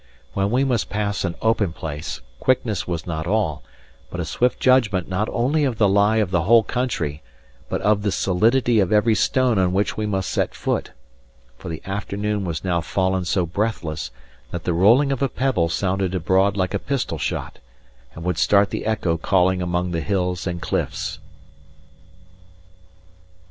When we must pass an open place, quickness was not all, but a swift judgment not only of the lie of the whole country, but of the solidity of every stone on which we must set foot; for the afternoon was now fallen so breathless that the rolling of a pebble sounded abroad like a pistol shot, and would start the echo calling among the hills and cliffs.